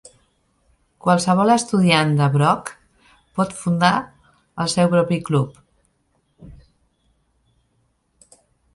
Qualsevol estudiant de Brock pot fundar el seu propi club.